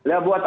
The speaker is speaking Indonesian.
ya buat apa